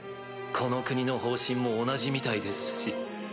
この国の方針も同じみたいですし。